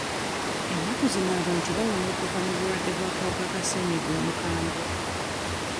Ennaku zino abantu bawona okuva mu bulwadde bw'akawuka ka ssenyiga omukambwe.